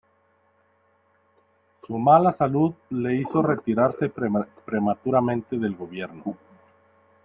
Su mala salud le hizo retirarse prematuramente del gobierno.